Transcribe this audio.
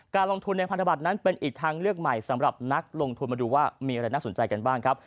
การลงทุนในพันธบัตรนั้นเป็นอีกทางเลือกใหม่สำหรับนักลงทุนมาดูว่ามีอะไรน่าสนใจกันบ้างครับ